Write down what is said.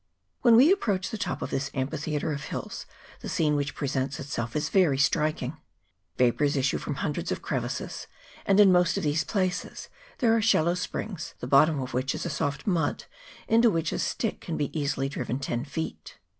When we approach the top of this amphitheatre of hills, the scene which presents itself is very striking. Va pours issue from hundreds of crevices, and in most of these places there are shallow springs, the bottom of which is a soft mud, into which a stick can be easily driven ten feet.